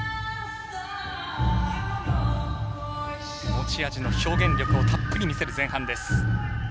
持ち味の表現力をたっぷり見せる前半です。